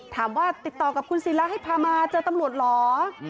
ติดต่อกับคุณศิลาให้พามาเจอตำรวจเหรอ